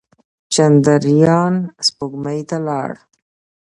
چندریان سپوږمۍ ته لاړ.